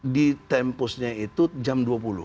di tempusnya itu jam dua puluh